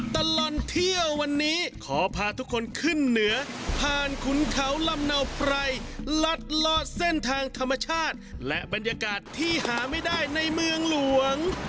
ตลอดเที่ยววันนี้ขอพาทุกคนขึ้นเหนือผ่านขุนเขาลำเนาไพรลัดลอดเส้นทางธรรมชาติและบรรยากาศที่หาไม่ได้ในเมืองหลวง